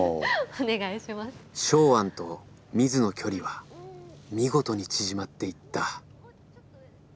ショウアンとミズの距離は見事に縮まっていった。